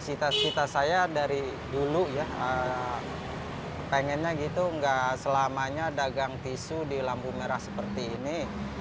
cita cita saya dari dulu ya pengennya gitu nggak selamanya dagang tisu di lampu merah seperti ini